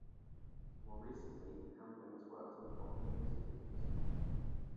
More recently Hambling has worked in the popular music business.